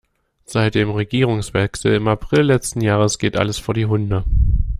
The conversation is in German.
Seit dem Regierungswechsel im April letzten Jahres geht alles vor die Hunde.